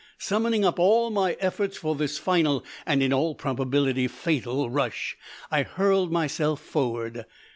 Summoning up all my efforts for this final, and in all probability fatal, rush, I hurled myself forward.